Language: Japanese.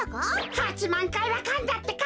８まんかいはかんだってか。